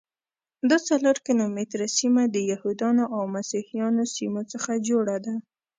دا څلور کیلومتره سیمه د یهودانو او مسیحیانو سیمو څخه جوړه ده.